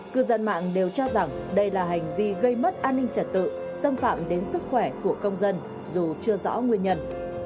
cư dân mạng đều cho rằng đây là hành vi gây mất an ninh trật tự xâm phạm đến sức khỏe của công dân dù chưa rõ nguyên nhân